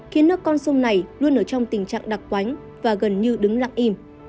khiến nước con sông này luôn ở trong tình trạng đặc quánh và gần như đứng lặng im